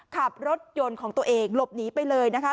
ขับรถยนต์ของตัวเองหลบหนีไปเลยนะคะ